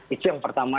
itu yang pertama